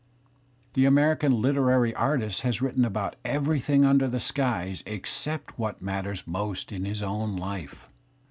The Ameri I can literary artist has written about everything under the j skies except what matters most in his own life.